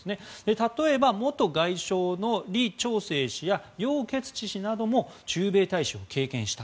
例えば元外相のリ・チョウセイ氏やヨウ・ケツチ氏なども駐米大使を経験した。